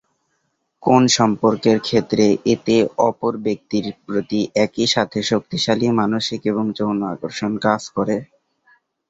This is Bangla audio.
কোন সম্পর্কের ক্ষেত্রে এতে অপর ব্যক্তির প্রতি একইসাথে শক্তিশালী মানসিক এবং যৌন আকর্ষণ কাজ করে।